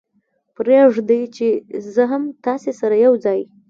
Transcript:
پرېږدئ چې زه هم تاسې سره یو ځای.